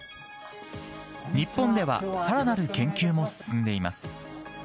日本ではさらなる研究も進んでいます。